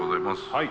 はい。